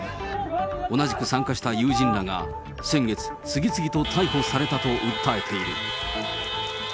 同じく参加した友人らが先月、次々と逮捕されたと訴えている。